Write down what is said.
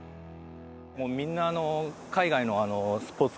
もうみんな。